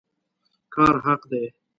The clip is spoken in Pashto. کار حق دی